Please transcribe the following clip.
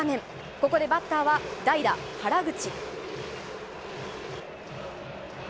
ここでバッターは代打、原口。